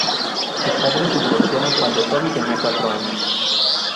Sus padres se divorciaron cuando Toby tenía cuatro años.